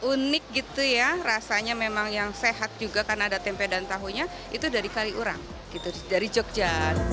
unik gitu ya rasanya memang yang sehat juga karena ada tempe dan tahunya itu dari kaliurang gitu dari jogja